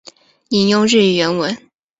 引用日语原文